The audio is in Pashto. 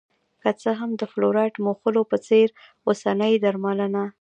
که څه هم د فلورایډ موښلو په څېر اوسنۍ درملنه